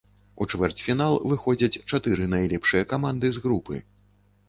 У чвэрцьфінал выходзяць чатыры найлепшыя каманды з групы.